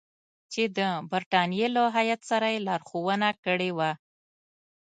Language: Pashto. چې د برټانیې له هیات سره یې لارښوونه کړې وه.